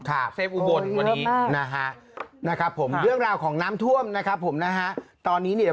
อาจจะเขียน